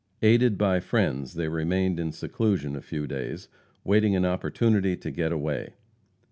Aided by friends, they remained in seclusion a few days, waiting an opportunity to get away.